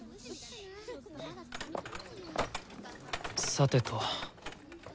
さてと。